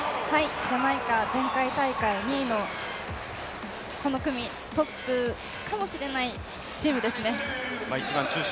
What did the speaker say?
ジャマイカ、前回大会２位、この組トップかもしれないチームですね。